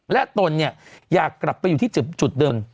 และตนเนี่ยอยากกลับไปอยู่ที่จุดเดิม